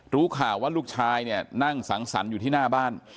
รู้ข่าวว่าลูกชายเนี่ยนั่งสังสรรค์อยู่ที่หน้าบ้าน